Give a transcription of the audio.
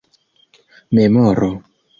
memoro